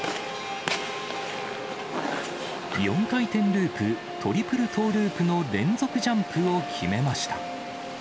４回転ループ、トリプルトーループの連続ジャンプを決めました。